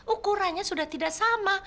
ukurannya sudah tidak sama